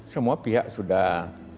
semua pihak sudah